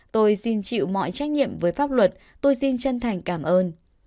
tôi xin chịu mọi trách nhiệm với pháp luật tôi xin chân thành cảm ơn